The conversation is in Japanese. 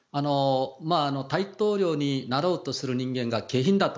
大統領になろうとする人間が下品だと。